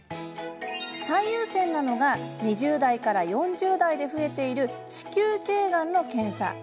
最優先なのが２０代から４０代で増えている子宮けいがんの検査。